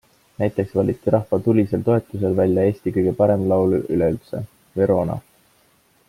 Näiteks valiti rahva tulisel toetusel välja Eesti kõige parem laul üleüldse - Verona!